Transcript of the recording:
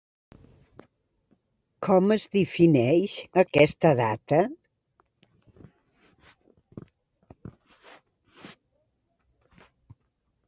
Com es defineix, aquesta data?